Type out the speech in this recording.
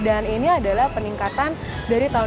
dan ini adalah peningkatan dari tahun dua ribu tujuh belas